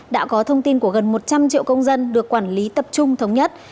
đã có thông tin của gần một trăm linh triệu công dân được quản lý tập trung thống nhất